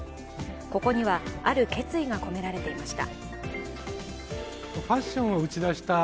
ここには、ある決意が込められていました。